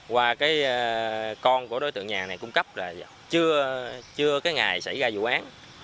qua cái con của đối tượng nhà này cung cấp là chưa cái ngày xảy ra vụ án